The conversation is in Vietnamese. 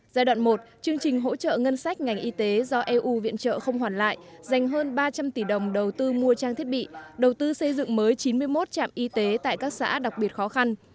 giai đoạn một chương trình hỗ trợ ngân sách ngành y tế do eu viện trợ không hoàn lại dành hơn ba trăm linh tỷ đồng đầu tư mua trang thiết bị đầu tư xây dựng mới chín mươi một trạm y tế tại các xã đặc biệt khó khăn